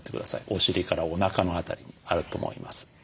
お尻からおなかの辺りにあると思います。